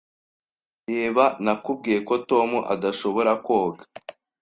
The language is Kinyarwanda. Reba, nakubwiye ko Tom adashobora koga.